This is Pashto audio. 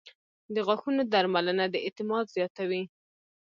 • د غاښونو درملنه د اعتماد زیاتوي.